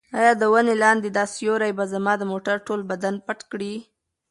ایا د ونې لاندې دا سیوری به زما د موټر ټول بدن پټ کړي؟